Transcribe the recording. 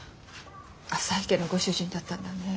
浅井家のご主人だったんだね。